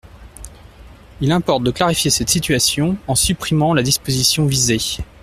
Il importe de clarifier cette situation en supprimant la disposition visée.